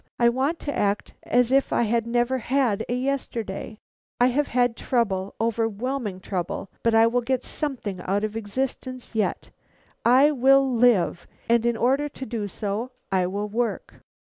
I want to act as if I had never had a yesterday. I have had trouble, overwhelming trouble, but I will get something out of existence yet. I will live, and in order to do so, I will work.